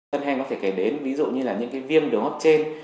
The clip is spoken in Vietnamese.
cơn hen có thể kể đến ví dụ như là những viêm đường hút trên